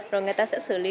rồi người ta sẽ xử lý